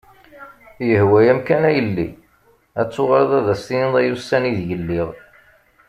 Yehwa-am kan a yelli, ad tuɣaleḍ ad as-tiniḍ ay ussan ideg lliɣ.